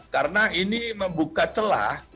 karena ini membuka celah